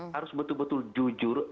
harus betul betul jujur